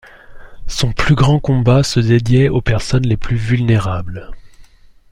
Son plus grand combat se dédiait aux personnes les plus vulnérables.